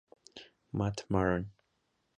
Matt Barone.